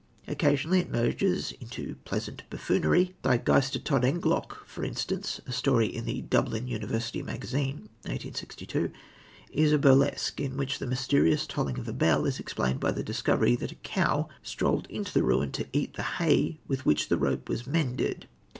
Occasionally it merges into pleasant buffoonery. Die Geistertodtenglocke, for instance, a story in the Dublin University Magazine (1862), is a burlesque, in which the mysterious tolling of a bell is explained by the discovery that a cow strolled into the ruin to eat the hay with which the rope was mended.